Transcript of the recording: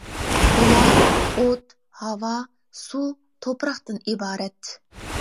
ئۇلار : ئوت، ھاۋا، سۇ، تۇپراقتىن ئىبارەت.